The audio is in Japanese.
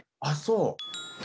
あっそう。